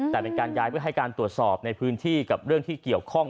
แต่เป็นการย้ายเพื่อให้การตรวจสอบในพื้นที่กับเรื่องที่เกี่ยวข้อง